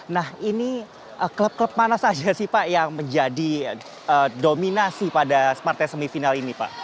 nah ini klub klub mana saja sih pak yang menjadi dominasi pada partai semifinal ini pak